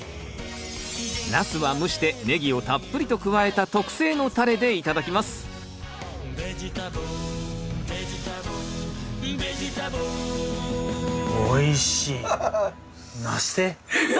ナスは蒸してネギをたっぷりと加えた特製のたれで頂きますハハハッ。